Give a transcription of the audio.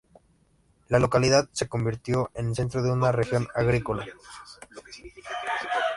La localidad se convirtió en centro de una región agrícola.